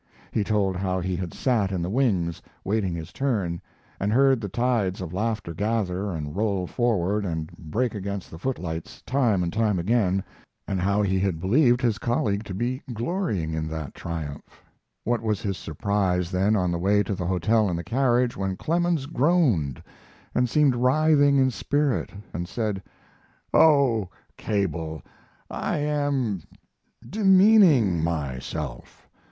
He told how he had sat in the wings, waiting his turn, and heard the tides of laughter gather and roll forward and break against the footlights, time and time again, and how he had believed his colleague to be glorying in that triumph. What was his surprise, then, on the way to the hotel in the carriage, when Clemens groaned and seemed writhing in spirit and said: "Oh, Cable, I am demeaning myself.